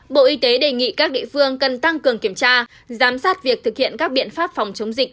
bộ y tế đề nghị các địa phương cần tăng cường kiểm tra giám sát việc thực hiện các biện pháp phòng chống dịch